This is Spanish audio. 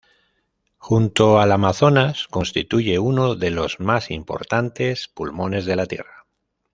Junto al amazonas constituye uno de los más importantes pulmones de la tierra.